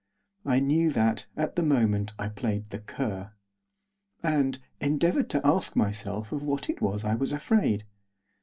I knew that, at the moment, I played the cur. And endeavoured to ask myself of what it was I was afraid.